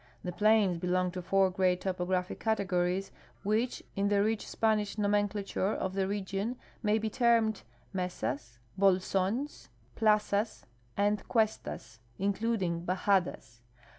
The plains belong to four great topographic categories, which in the rich Spanish nomenclature of the region maj' be termed mesas, bolsons, plazas, and cuestas (in cluding hajadas).